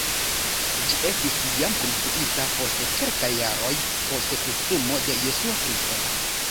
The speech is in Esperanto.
Ĝi estis jam konstruita post kelkaj jaroj post krucumo de Jesuo Kristo.